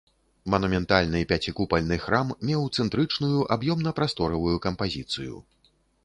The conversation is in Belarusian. Манументальны пяцікупальны храм меў цэнтрычную аб'ёмна-прасторавую кампазіцыю.